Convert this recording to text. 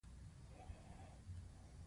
لومړۍ برخه د ثابتې پانګې ارزښت دی